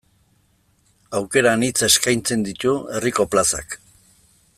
Aukera anitz eskaintzen ditu herriko plazak.